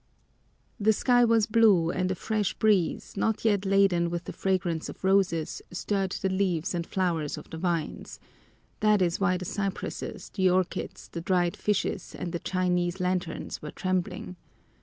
The sky was blue and a fresh breeze, not yet laden with the fragrance of roses, stirred the leaves and flowers of the vines; that is why the cypresses, the orchids, the dried fishes, and the Chinese lanterns were trembling.